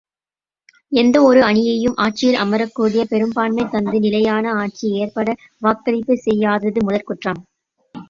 எந்த ஒரு அணியையும் ஆட்சியில் அமரக்கூடிய பெரும்பான்மை தந்து நிலையான ஆட்சி ஏற்பட வாக்களிப்புச் செய்யாதது முதற் குற்றம்!